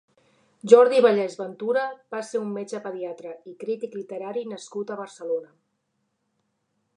Jordi Vallès Ventura va ser un metge pediatra i crític literari nascut a Barcelona.